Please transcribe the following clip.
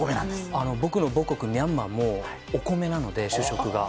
僕の母国ミャンマーもお米なので主食が。